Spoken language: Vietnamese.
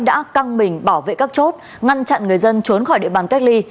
đã căng mình bảo vệ các chốt ngăn chặn người dân trốn khỏi địa bàn cách ly